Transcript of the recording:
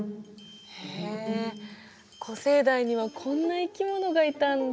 へえ古生代にはこんな生き物がいたんだ。